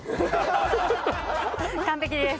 完璧です。